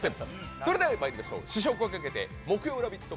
それではまいりましょう試食をかけて、木曜ラヴィット！